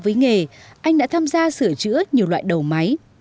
với nghề anh đã tham gia sửa chữa nhiều loại đầu máy